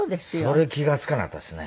それ気が付かなかったですね。